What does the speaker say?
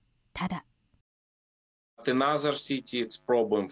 ただ。